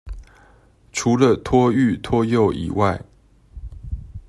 除了托育、托幼以外